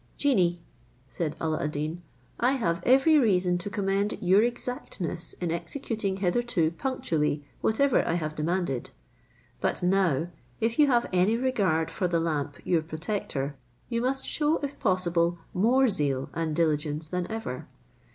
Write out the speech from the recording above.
"Genie," said Alla ad Deen, "I have every reason to commend your exactness in executing hitherto punctually whatever I have demanded; but now if you have any regard for the lamp your protector, you must show, if possible, more zeal and diligence than ever.